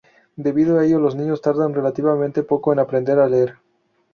Debido a ello, los niños tardan relativamente poco en aprender a leer.